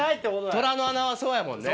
虎の穴はそうやもんね。